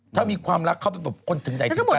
ถ้ามีความรักเขาเป็นคนจึงใจดึงกัน